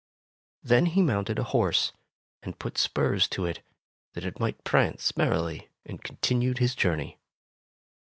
Then he mounted a horse, and put spurs to it, that it might prance merrily, and continued his journey.